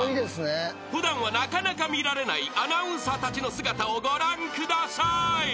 ［普段はなかなか見られないアナウンサーたちの姿をご覧ください］